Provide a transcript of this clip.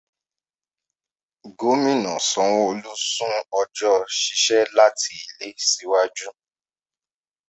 Gomina Sanwo-Olu sún ọjọ́ "ṣiṣẹ́ láti ilé" síwájú.